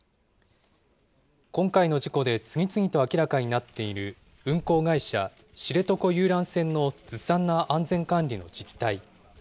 今回の事故で次々と明らかになっている運航会社、知床遊覧船のずさんな安全管理の実態。